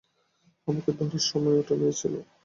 আমাকে ধরার সময় ওটা নিয়েছিল।